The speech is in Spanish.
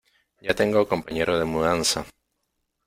Ya tengo compañero de mudanza.